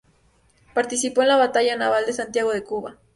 Participó en la Batalla naval de Santiago de Cuba.